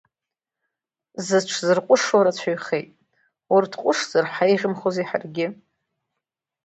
Зыҽзырҟәышуа рацәаҩхеит, урҭ ҟәышзар ҳаиӷьымхоз ҳаргьы!